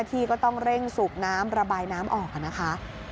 อาทิตย์ก็ต้องเร่งสูบน้ำระบายน้ำออกเดี๋ยวนะคะ